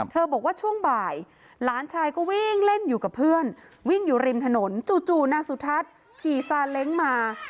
บอกว่าช่วงบ่ายหลานชายก็วิ่งเล่นอยู่กับเพื่อนวิ่งอยู่ริมถนนจู่นางสุทัศน์ขี่ซาเล้งมา